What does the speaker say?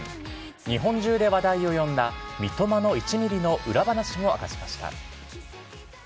日本中で話題を呼んだ、三笘の１ミリの裏話も明かしました。